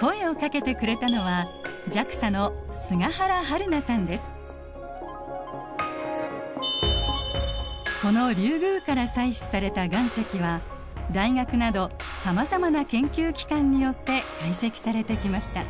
声をかけてくれたのはこのリュウグウから採取された岩石は大学などさまざまな研究機関によって解析されてきました。